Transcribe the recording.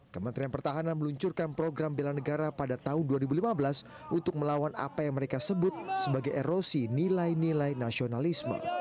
kementerian pertahanan meluncurkan program bela negara pada tahun dua ribu lima belas untuk melawan apa yang mereka sebut sebagai erosi nilai nilai nasionalisme